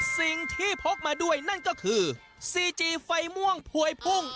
สิ่งที่พกมาด้วยนั่นก็คือซีจีไฟม่วงถ่วยพุง